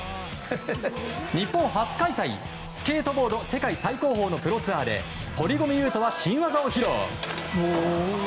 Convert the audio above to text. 日本初開催、スケートボード世界最高峰のプロツアーで堀米雄斗は新技を披露！